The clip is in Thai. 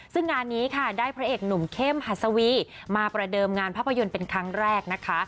ซึ่งงานนี้ค่ะได้พระเอกหนุ่มเข้มหัสวีมาประเดิมงานภาพยนตร์เป็นครั้งแรกนะคะ